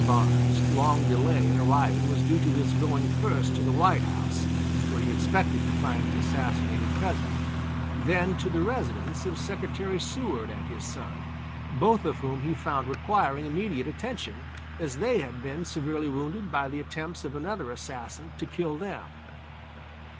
Barnes' long delay in arriving was due to his going first to the White House, where he expected to find the assassinated President, then to the residence of Secretary Seward and his son, both of whom he found requiring immediate attention, as they had been severely wounded by the attempts of another assassin to kill them.